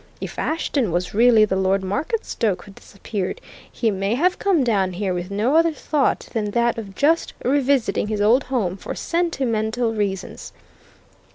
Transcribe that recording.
If Ashton was really the Lord Marketstoke who disappeared, he may have come down here with no other thought than that of just revisiting his old home for sentimental reasons.